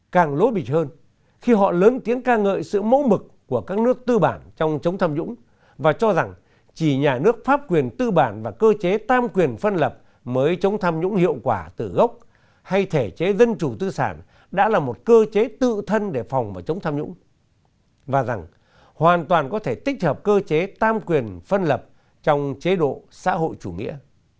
càng lỗ bị hơn khi họ lớn tiếng ca ngợi sự mẫu mực của các nước tư bản trong chống tham nhũng và cho rằng chỉ nhà nước pháp quyền tư bản và cơ chế tam quyền phân lập mới chống tham nhũng hiệu quả từ gốc hay thể chế dân chủ tư sản đã là một cơ chế tự thân để phòng và chống tham nhũng và rằng hoàn toàn có thể tích hợp cơ chế tam quyền phân lập trong chế độ xã hội chủ nghĩa